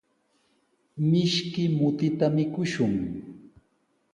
Mishki mutita mikushun.